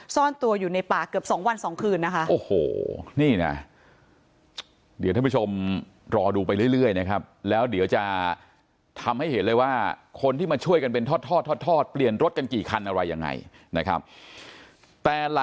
ซ่อนตัวอยู่ในป่าเกือบ๒วัน๒คืนนะคะ